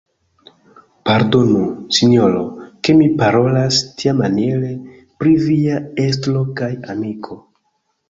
Pardonu, sinjoro, ke mi parolas tiamaniere pri via estro kaj amiko.